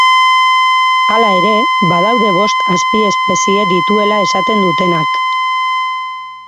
Hala ere, badaude bost azpiespezie dituela esaten dutenak